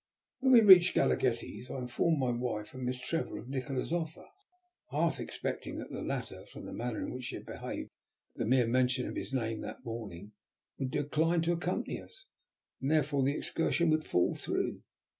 When we reached Galaghetti's I informed my wife and Miss Trevor of Nikola's offer, half expecting that the latter, from the manner in which she had behaved at the mere mention of his name that morning, would decline to accompany us, and, therefore, that the excursion would fall through.